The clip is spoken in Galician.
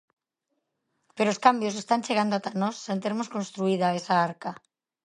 _Pero os cambios están chegando ata nós sen termos construída esa arca.